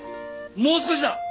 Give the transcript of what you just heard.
もう少しだ！